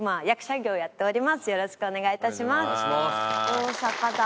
大阪だ。